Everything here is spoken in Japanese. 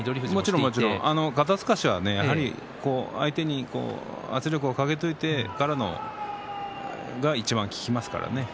もちろん、もちろん肩すかしは相手に圧力をかけておいてからいちばん効きますからね。